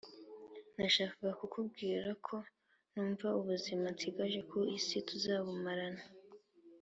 Nashakaga kukubwira ko numva ubuzima nsigaje ku isi tuzabumarana